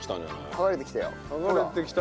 剥がれてきたよ。